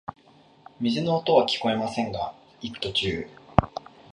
水の音はきこえませんが、行く途中、